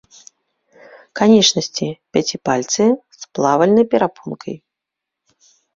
Канечнасці пяціпальцыя, з плавальнай перапонкай.